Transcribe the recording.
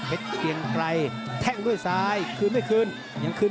เฮ็ดเกียงไกรแทงด้วยซ้ายคืนไม่คืน